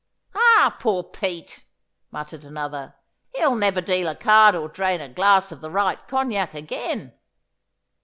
'Ah, poor Pete!' muttered another. 'He'll never deal a card or drain a glass of the right Cognac again.